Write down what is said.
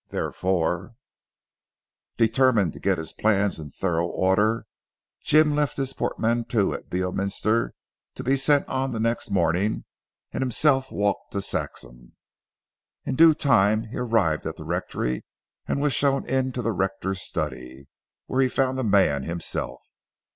Therefore, determined to get his plans into thorough order, Jim left his portmanteau at Beorminster to be sent on the next morning and himself walked to Saxham. In due time he arrived at the rectory, and was shown into the rector's study, where he found the man himself.